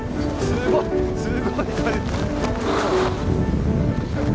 すごい風。